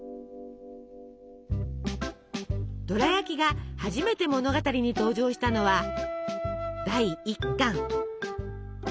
ドラやきが初めて物語に登場したのは第１巻。